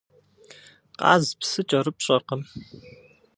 Къаз псы кӏэрыпщӏэркъым.